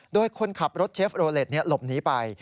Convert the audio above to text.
โดยคนขับรถเชฟโรเล็ตหลบหนีไป